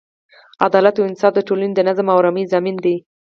عدالت او انصاف د ټولنې د نظم او ارامۍ ضامن دی.